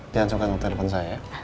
jangan sopkan noter depan saya